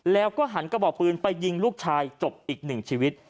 แล้วก็หันกระบอกปืนไปยิงลูกชายจบอีกหนึ่งชีวิต